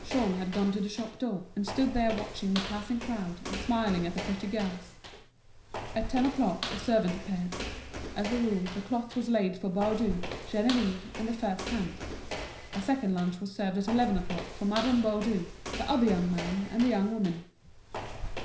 Jean had gone to the shop door, and stood there watching the passing crowd and smiling at the pretty girls. At ten o'clock a servant appeared. As a rule the cloth was laid for Baudu, Geneviève, and the first hand. A second lunch was served at eleven o'clock for Madame Baudu, the other young man, and the young woman.